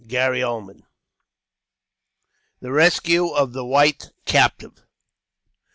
Chapter 20: The Rescue Of The White Captive.